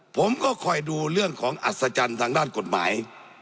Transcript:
ผมก็คอยดูเรื่องของอัศจรรย์ทางด้านกฎหมาย